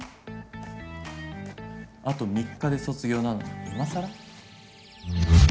あと３日で卒業なのに今更？